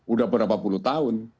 udah berapa puluh tahun